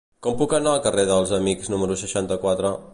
Com puc anar al carrer dels Amics número seixanta-quatre?